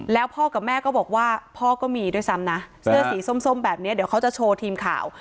แล้วพ่อกับแม่ก็บอกว่าพ่อก็มีด้วยซ้ำนะเสื้อสีส้มแบบนี้เดี๋ยวเขาจะโชว์ทีมข่าว